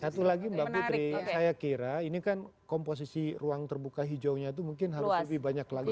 satu lagi mbak putri saya kira ini kan komposisi ruang terbuka hijaunya itu mungkin harus lebih banyak lagi